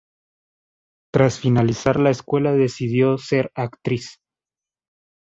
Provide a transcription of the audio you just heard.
Tras finalizar la escuela decidió ser actriz.